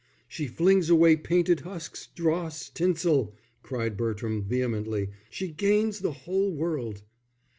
"She flings away painted husks, dross, tinsel," cried Bertram, vehemently. "She gains the whole world."